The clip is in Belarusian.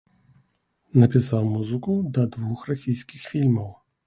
Напісаў музыку да двух расійскіх фільмаў.